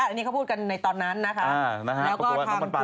อันนี้เขาพูดกันในตอนนั้นนะคะ